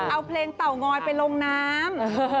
เอาเพลงเต่างอยไปลงน้ำ